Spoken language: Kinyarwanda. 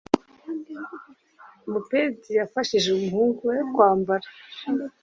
mupenzi yafashije umuhungu we kwambara